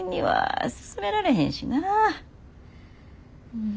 うん。